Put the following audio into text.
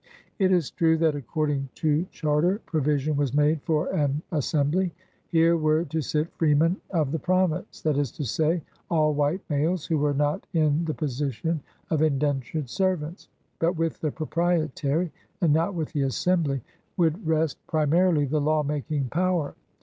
It is true that, according to charter, provision was made for an Assembly. Here were to sit "freemen of the prov ince, '* that is to say, all white males who were not in the position of indentured servants. But with the Proprietary, and not with the Assembly, would rest primarily the law making power.